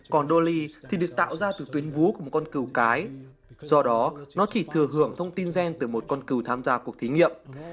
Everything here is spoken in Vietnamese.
còn dooly thì được tạo ra từ tuyến vú của một con cừu cái do đó nó chỉ thừa hưởng thông tin gen từ một con cu tham gia cuộc thí nghiệm